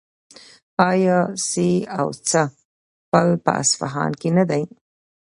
آیا سي او سه پل په اصفهان کې نه دی؟